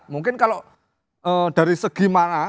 mungkin kalau dari segi mana